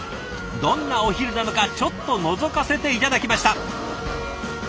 どんなお昼なのかちょっとのぞかせて頂きました。